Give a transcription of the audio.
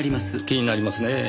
気になりますねぇ。